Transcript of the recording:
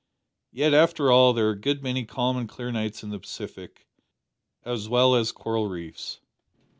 "Yet, after all, there are a good many calm and clear nights in the Pacific, as well as coral reefs."